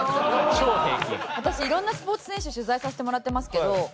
私色んなスポーツ選手取材させてもらってますけど。